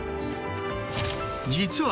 実は